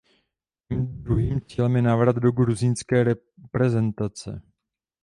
Mým druhým cílem je návrat do gruzínské reprezentace.